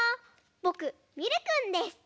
ぼくミルくんです。